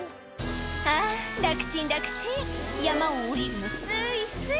「あぁ楽ちん楽ちん山を下りるのスイスイ」